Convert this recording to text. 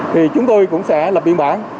thì chúng tôi cũng sẽ lập biển bản